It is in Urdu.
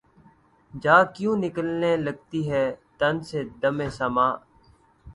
جاں کیوں نکلنے لگتی ہے تن سے‘ دمِ سماع